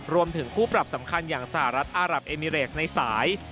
รวมถึงคู่ปรับสำคัญอย่างสหรัฐอารับเอมิเรสในสาย